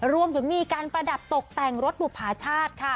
รวมถึงมีการประดับตกแต่งรถบุภาชาติค่ะ